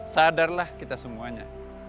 sadarlah kita semuanya